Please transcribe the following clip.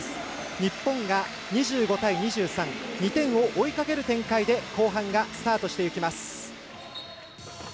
日本が２５対２３２点を追いかける展開で後半がスタートしていきます。